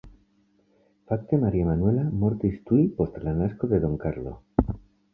Fakte Maria Manuela mortis tuj post la nasko de Don Karlo.